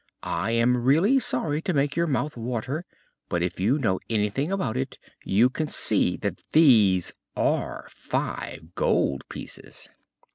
"I am really sorry to make your mouth water, but if you know anything about it, you can see that these are five gold pieces."